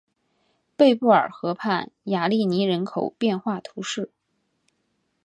贝布尔河畔雅利尼人口变化图示